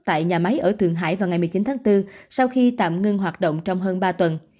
tại nhà máy ở thượng hải vào ngày một mươi chín tháng bốn sau khi tạm ngưng hoạt động trong hơn ba tuần